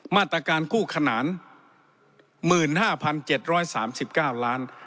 มาตรการคู่ขนาน๑๕๗๓๙ล้าน